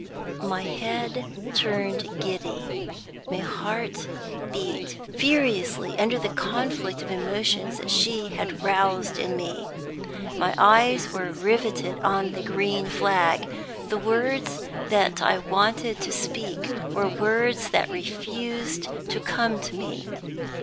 My head turned giddy, my heart beat furiously under the conflict of emotions that she had roused in me. My eyes were riveted on the green flag. The words that I wanted to speak were words that refused to come to me.